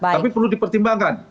tapi perlu dipertimbangkan